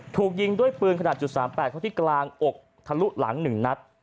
ถูกยิงด้วยปืนขนาด๓๘เขาที่กลางอกทะลุหลัง๑นัด